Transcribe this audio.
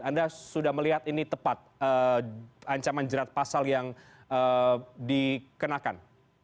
anda sudah melihat ini tepat ancaman jerat pasal yang dikenakan